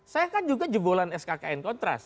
saya kan juga jebolan skkn kontras